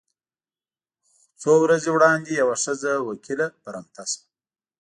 څو ورځې وړاندې یوه ښځه وکیله برمته شوه.